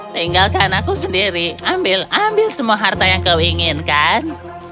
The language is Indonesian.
tinggalkan aku sendiri ambil ambil semua harta yang kau inginkan